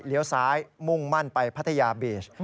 เลี้ยวซ้ายมุ่งมั่นไปพัฒยาเบียช